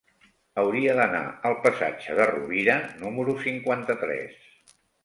Hauria d'anar al passatge de Rovira número cinquanta-tres.